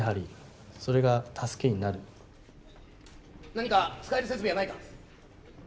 何か使える設備はないか？